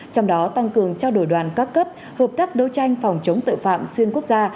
trong đó tăng cường trao đổi đoàn các cấp hợp tác đấu tranh phòng chống tội phạm xuyên quốc gia